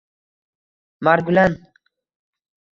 Margulan